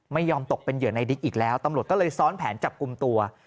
ไม่ยอมตกเป็นเหยื่อในดิ๊กอีกแล้วตำรวจก็เลยซ้อนแผนจับกลุ่มตัว